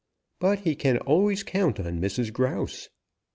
But he can always count on Mrs. Grouse.